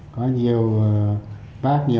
có nhiều bác nhiều anh các chị đã phát biểu ý kiến